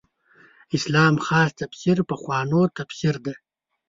اسلام خاص تفسیر پخوانو تفسیر دی.